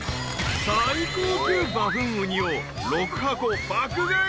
［最高級バフンウニを６箱爆買い］